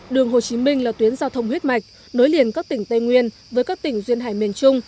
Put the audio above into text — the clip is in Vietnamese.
đường hồ chí minh là tuyến giao thông huyết mạch nối liền các tỉnh tây nguyên với các tỉnh duyên hải miền trung